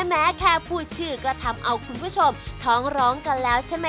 แม้แค่พูดชื่อก็ทำเอาคุณผู้ชมท้องร้องกันแล้วใช่ไหม